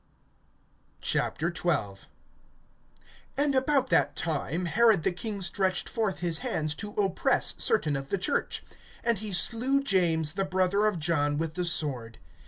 XII. AND about that time, Herod the king stretched forth his hands to oppress[12:1] certain of the church. (2)And he slew James the brother of John with the sword.